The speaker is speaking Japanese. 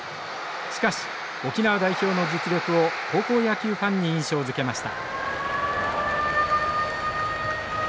しかし沖縄代表の実力を高校野球ファンに印象づけました。